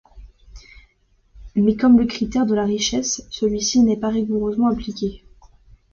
Mais comme le critère de la richesse, celui-ci n'est pas rigoureusement appliqué.